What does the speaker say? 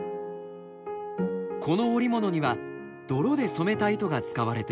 この織物には泥で染めた糸が使われています。